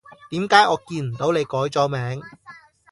點解我見唔到你改咗名？